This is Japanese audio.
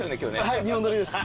はい２本撮りです。